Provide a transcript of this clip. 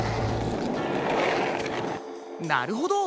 なるほど。